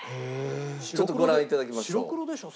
ちょっとご覧いただきましょう。